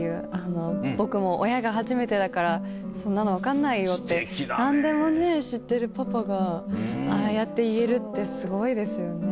「僕も親が初めてだからそんなの分かんないよ」って何でも知ってるパパがああやって言えるってすごいですよね。